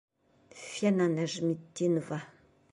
Фена НӘЖМЕТДИНОВА